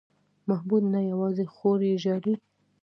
محمود نه یوازې خور یې ژاړي.